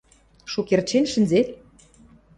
Шукердшен шӹнзет?